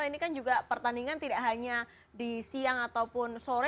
ini kan juga pertandingan tidak hanya di siang ataupun sore